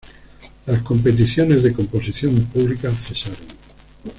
Las competiciones de composición públicas cesaron.